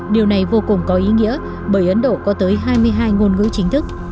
điều này vô cùng có ý nghĩa bởi ấn độ có tới hai mươi hai ngôn ngữ chính thức